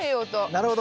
なるほど。